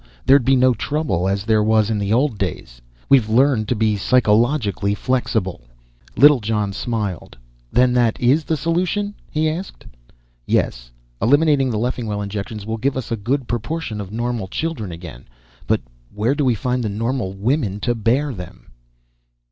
There'd be no trouble as there was in the old days. We've learned to be psychologically flexible." Littlejohn smiled. "Then that is the solution?" he asked. "Yes. Eliminating the Leffingwell injections will give us a good proportion of normal children again. _But where do we find the normal women to bear them?